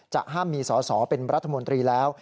ห้ามมีสอสอเป็นรัฐมนตรีแล้ว